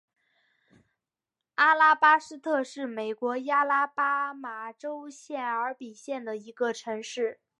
阿拉巴斯特是美国亚拉巴马州谢尔比县的一个城市。